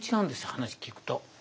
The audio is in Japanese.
話聞くと。